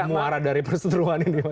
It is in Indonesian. muara dari perseteruan ini